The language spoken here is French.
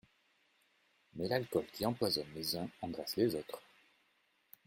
Mais l'alcool qui empoisonne les uns engraisse les autres.